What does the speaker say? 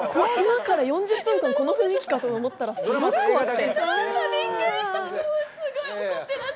この後４０分間この雰囲気と思ったらすごく怖くて。